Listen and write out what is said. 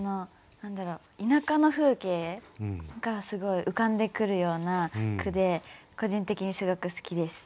田舎の風景がすごい浮かんでくるような句で個人的にすごく好きです。